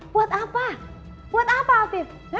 buat apa buat apa afif